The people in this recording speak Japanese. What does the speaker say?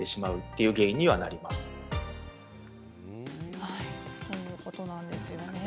ということなんですね。